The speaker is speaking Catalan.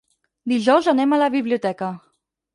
Dijous anem a la biblioteca.